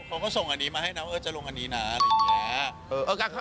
เขาก็ส่งอันนี้มาให้นะว่าจะลงอันนี้นะอะไรอย่างนี้